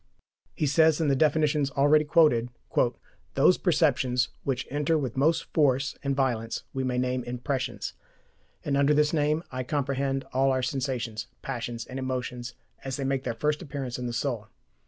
He says, in the definitions already quoted: "Those perceptions, which enter with most force and violence, we may name IMPRESSIONS; and under this name I comprehend all our sensations, passions and emotions, as they make their first appearance in the soul.